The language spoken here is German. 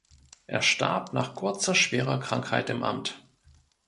Er starb nach kurzer schwerer Krankheit im Amt.